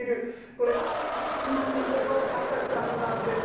これ、スナネコの赤ちゃんなんです。